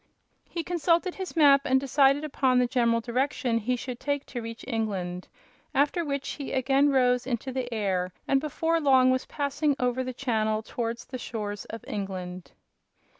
He consulted his map and decided upon the general direction he should take to reach England, after which he again rose into the air and before long was passing over the channel towards the shores of England.